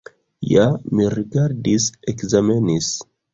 Ja mi rigardis, ekzamenis!